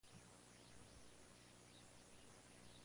En los últimos años han caído en desuso.